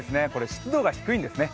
湿度が低いんですね。